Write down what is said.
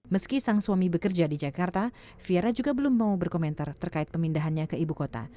meski sang suami bekerja di jakarta viera juga belum mau berkomentar terkait pemindahannya ke ibu kota